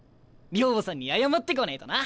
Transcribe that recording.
寮母さんに謝ってこねえとな。